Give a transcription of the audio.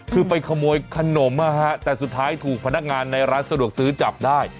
คือไปขโมยขนมนะฮะแต่สุดท้ายถูกพนักงานในร้านสะดวกซื้อจับได้